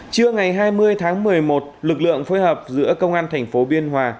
trưa ngày hai mươi tháng một mươi một lực lượng phối hợp giữa công an thành phố biên hòa